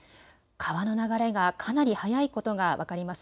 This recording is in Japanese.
川の流れがかなり速いことが分かります。